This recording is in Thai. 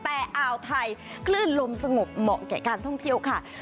แต่อ่าวไทยคลื่นลมสงบเหมาะแก่การท่องเที่ยวค่ะ